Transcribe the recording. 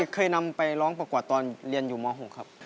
เคยนำไปร้องประกวดตอนเรียนอยู่ม๖ครับ